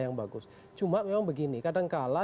yang bagus cuma memang begini kadangkala